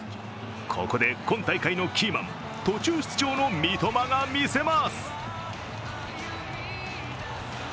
ここで今大会のキーマン途中出場の三笘が見せます。